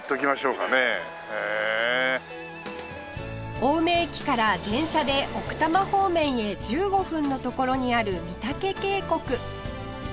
青梅駅から電車で奥多摩方面へ１５分の所にある御岳渓谷